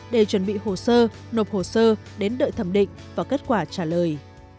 để chuẩn bị hồ sơ nộp hồ sơ đến đợi thẩm định và kết quả trả lời